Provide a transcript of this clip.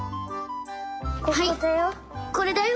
ここだよ。